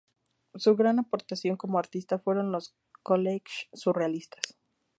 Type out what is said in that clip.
Su gran aportación como artista fueron los "collages" surrealistas.